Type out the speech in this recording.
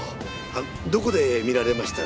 どこで見られました？